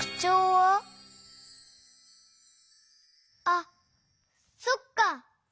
あっそっか！